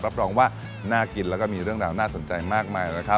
รับรองว่าน่ากินแล้วก็มีเรื่องราวน่าสนใจมากมายนะครับ